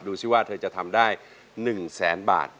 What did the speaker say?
ดูสิว่าเธอจะทำได้หนึ่งแสนบาท